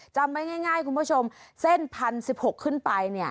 จำไปง่ายง่ายคุณผู้ชมเส้นพันสิบหกขึ้นไปเนี้ย